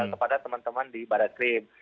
kepada teman teman di barat krim